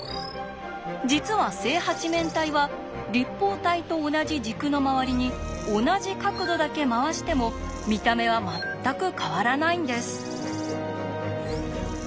実は正八面体は立方体と同じ軸の周りに同じ角度だけ回しても見た目は全く変わらないんです。